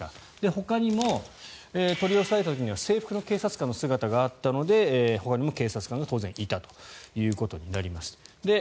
ほかにも取り押さえた時には制服の警察官の姿があったのでほかにも警察官が当然いたということになります。